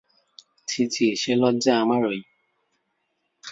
ছি ছি, সে লজ্জা আমারই।